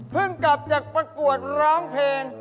กลับจากประกวดร้องเพลง